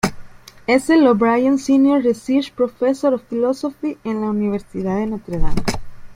Es el "O'Brien Senior Research Professor of Philosophy" en la Universidad de Notre Dame.